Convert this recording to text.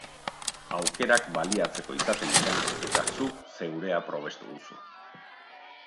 Aukerak baliatzeko izaten dira eta zuk zeurea probestu duzu.